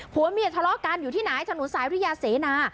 ผัวเมียทะเลาะกันอยู่ที่ไหนถนนสายริยาเสนา